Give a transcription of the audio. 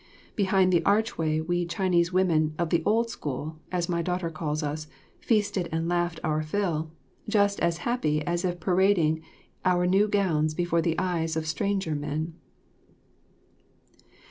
Behind the archway, we Chinese women "of the old school," as my daughter calls us, feasted and laughed our fill, just as happy as if parading our new gowns before the eyes of stranger men.